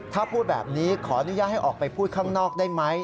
ถ้าพูดแบบนี้ขออนุญาตให้ออกไปพูดข้างนอกได้ไหม